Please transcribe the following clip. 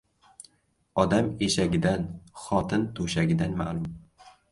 • Odam eshagidan, xotin to‘shagidan ma’lum.